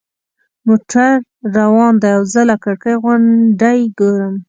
موټر روان دی او زه له کړکۍ غونډۍ ګورم.